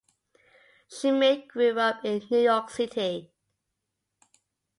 Schmitt grew up in New York City.